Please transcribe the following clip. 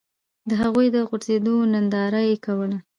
د هغوی د غورځېدو ننداره یې کوله.